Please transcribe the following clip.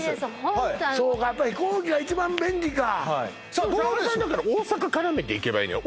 ホントそうかやっぱ飛行機が一番便利かさんまさんだから大阪からめて行けばいいのよ